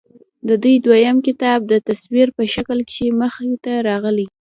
د دوي دويم کتاب د تصوير پۀ شکل کښې مخې ته راغے